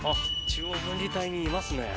中央分離帯にいますね。